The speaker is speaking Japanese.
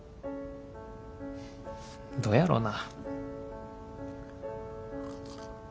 どやろな。